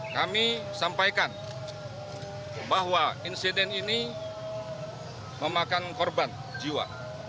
kami sampaikan bahwa insiden ini memakan korban jiwa